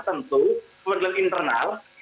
tentu penilaian internal